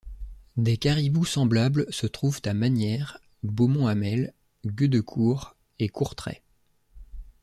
Des caribous semblables se trouvent à Masnières, Beaumont-Hamel, Gueudecourt et Courtrai.